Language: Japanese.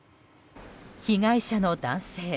被害者の男性。